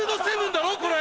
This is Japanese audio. だろこれ！